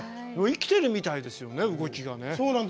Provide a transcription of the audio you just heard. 生きてるみたいですよね、動きが。